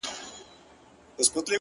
o همدا اوس وايم درته،